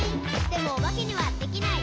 「でもおばけにはできない。」